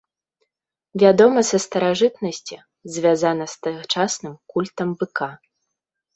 Вядома са старажытнасці, звязана з тагачасным культам быка.